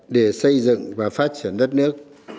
để xây dựng và phát triển đất nước